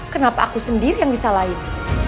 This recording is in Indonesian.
kenapa aku sendiri yang disalahin